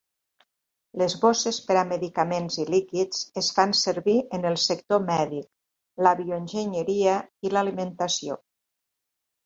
Les bosses per a medicaments i líquids es fan servir en el sector mèdic, la bioenginyeria i l'alimentació.